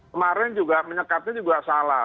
kemarin juga menyekatnya juga salah